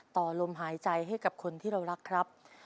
ต่อลมหายใจให้กับคนที่เรารักครับ